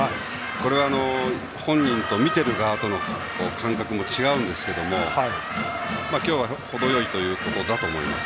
これは本人と、見ている側との感覚も違うんですが今日は程よいというところだと思います。